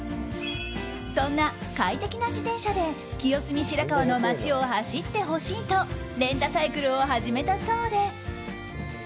そんな快適な自転車で清澄白河の街を走ってほしいとレンタサイクルを始めたそうです。